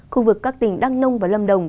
khu vực các tỉnh đăng nông và lâm đồng